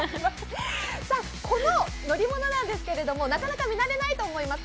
この乗り物なんですけども、なかなか見慣れないと思います。